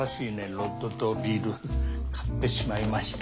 ロッドとリール買ってしまいました。